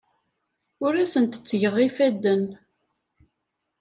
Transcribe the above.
Ur asent-ttgeɣ ifadden.